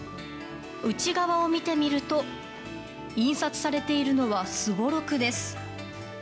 内側を見てみると印刷されているのはすごろくです。